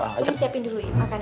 siapin dulu ya makan aja